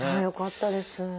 よかったです。